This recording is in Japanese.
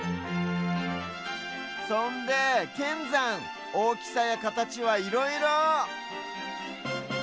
そんでけんざんおおきさやかたちはいろいろ！